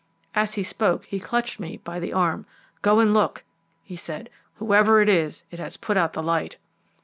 As he spoke he clutched me by the arm. "Go and look," he said; "whoever it is, it has put out the light."